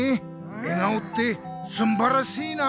笑顔ってすんばらしいな！